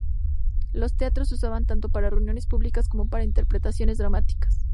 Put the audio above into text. Los teatros se usaban tanto para reuniones públicas como para interpretaciones dramáticas.